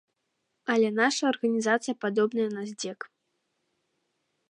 Але наша арганізацыя падобнае на здзек.